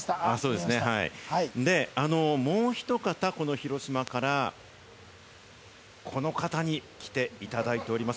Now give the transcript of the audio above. で、もうお一方、広島から、この方に来ていただいております。